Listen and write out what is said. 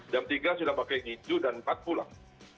jam tiga sudah pakai hijau dan empat pulang